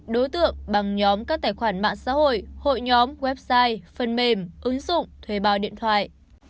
đối tượng bằng nhóm các tài khoản mạng xã hội hội nhóm website phần mềm ứng dụng thuê bao điện thoại